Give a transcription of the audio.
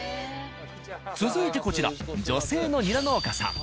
続いてこちら女性のニラ農家さん。